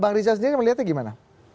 bang riza sendiri melihatnya gimana